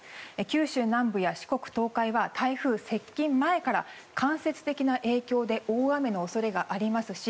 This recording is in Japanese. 九州南部や四国、東海は台風接近前から間接的な影響で大雨の恐れがありますし